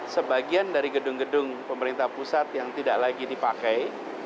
sebagian dari gedung gedung pemerintah pusat yang tidak lagi dipakai